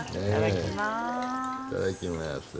いただきます